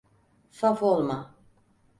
Saf olma.